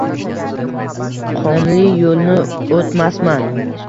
Qonli yo’lni o’tmasman.